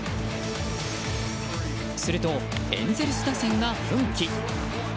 すると、エンゼルス打線が奮起。